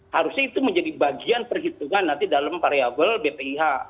harusnya itu menjadi bagian perhitungan nanti dalam variable bpih